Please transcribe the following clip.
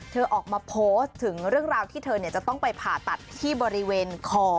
เธอออกมาโพสต์ถึงเรื่องราวที่เธอจะต้องไปผ่าตัดที่บริเวณคอ